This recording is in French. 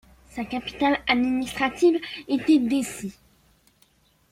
Sa capitale administrative était Dessie.